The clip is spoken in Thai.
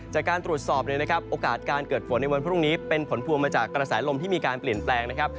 จากการตรวจสอบเนี่ยนะครับโอกาสการเกิดฝนในวันพรุ่งนี้เป็นผลพวงมาจากกระแสลมที่มีการเปลี่ยนแปลงนะครับ